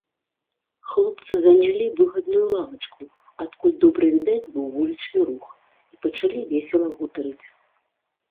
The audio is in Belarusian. Хлопцы занялі выгадную лавачку, адкуль добра відаць быў вулічны рух, і пачалі весела гутарыць.